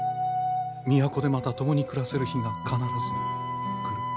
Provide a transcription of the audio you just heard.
都でまた共に暮らせる日が必ず来る。